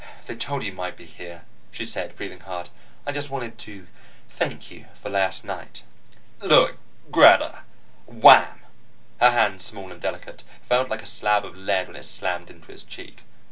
"They told me you might be here," she said, breathing hard. "I just wanted to thank you for last night." "Look, Greta " Wham! Her hand, small and delicate, felt like a slab of lead when it slammed into his cheek.